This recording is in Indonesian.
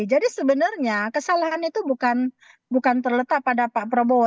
jadi sebenarnya kesalahan itu bukan terletak pada pak prabowo